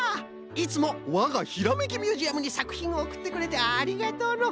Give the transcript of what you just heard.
いつもわがひらめきミュージアムにさくひんをおくってくれてありがとうの。